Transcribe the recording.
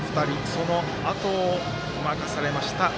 そのあとを任されました